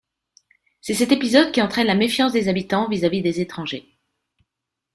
C'est cet épisode qui entraîne la méfiance des habitants vis-à-vis des étrangers.